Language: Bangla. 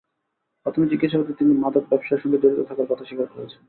প্রাথমিক জিজ্ঞাসাবাদে তিনি মাদক ব্যবসার সঙ্গে জড়িত থাকার কথা স্বীকার করেছেন।